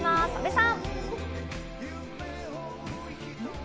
阿部さん？